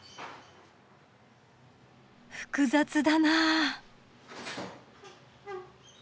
複雑だな。